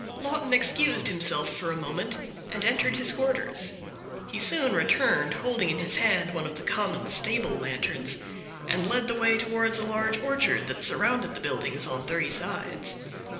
Lawton excused himself for a moment, and entered his quarters. He soon returned, holding in his hand one of the common, stable lanterns, and led the way towards a large orchard that surrounded the buildings on three sides.